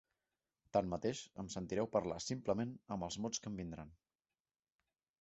Tanmateix em sentireu parlar simplement amb els mots que em vindran.